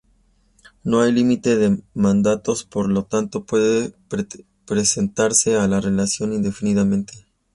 No hay límite de mandatos por lo tanto puede presentarse a la reelección indefinidamente.